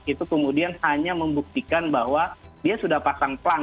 itu kemudian hanya membuktikan bahwa dia sudah pasang pelang